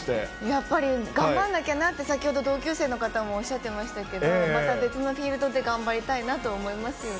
やっぱり、頑張んなきゃなって先ほど同級生の方もおっしゃってましたけど、また別のフィールドで頑張りたいなと思いますよね。